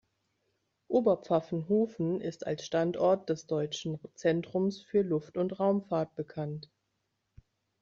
Oberpfaffenhofen ist als Standort des Deutschen Zentrums für Luft- und Raumfahrt bekannt.